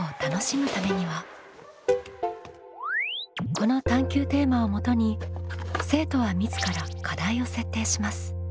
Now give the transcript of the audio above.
この探究テーマをもとに生徒は自ら課題を設定します。